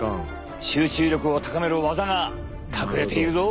集中力を高める技が隠れているぞ。